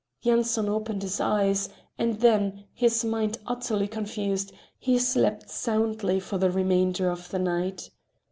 Yanson opened his eyes, and then, his mind utterly confused, he slept soundly for the remainder of the night.